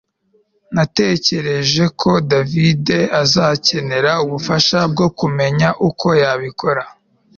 natekereje ko davide azakenera ubufasha bwo kumenya uko yabikora